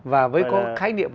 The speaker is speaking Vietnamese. và với cái khái niệm